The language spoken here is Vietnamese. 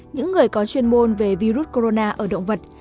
những người có chuyên môn về virus corona ở động vật